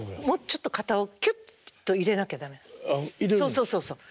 そうそうそうそう。